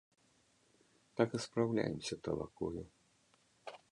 Так і спраўляемся талакою.